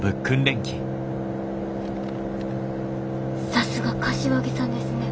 さすが柏木さんですね